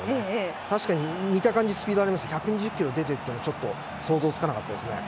確かに見た感じスピードありますが１２０キロが出てるとは想像つかなかったですね。